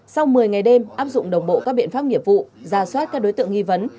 sau một mươi ngày đêm áp dụng đồng bộ các biện pháp nghiệp vụ ra soát các đối tượng nghi vấn